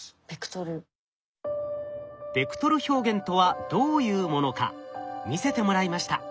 ベクトル表現とはどういうものか見せてもらいました。